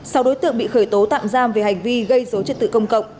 sau đối tượng bị khởi tố tạm giam về hành vi gây dối trật tự công cộng